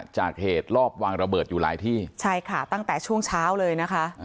จากเหตุรอบวางระเบิดอยู่หลายที่ใช่ค่ะตั้งแต่ช่วงเช้าเลยนะคะ